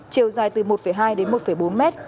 chiều dài từ một hai m